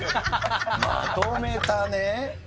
まとめたねー。